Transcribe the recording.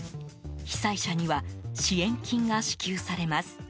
被災者には支援金が支給されます。